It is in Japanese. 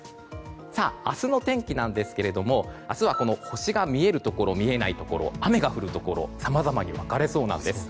明日の天気なんですが明日は星が見えるところ見えないところ雨が降るところさまざまに分かれそうなんです。